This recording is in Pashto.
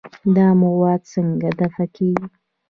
دا مواد څنګه دفع کېږي؟